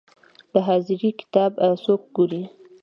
د حاضري کتاب څوک ګوري؟